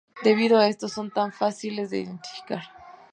Debido a esto, son tan fáciles de identificar.